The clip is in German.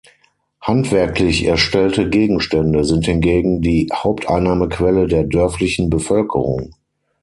Handwerklich erstellte Gegenstände sind hingegen die Haupteinnahmequelle der dörflichen Bevölkerung.